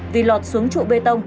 vì lọt xuống trụ bê tông